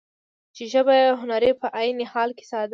چې ژبه يې هنري په عين حال کې ساده ،